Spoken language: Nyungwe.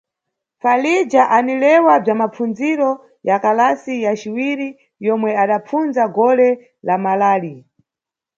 Falidha anilewa bza mapfundziro ya kalasi ya ciwiri yomwe adapfundza gole lamalali.